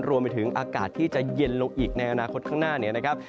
รวมไปถึงอากาศที่จะเย็นลงอีกในอนาคตข้างหน้า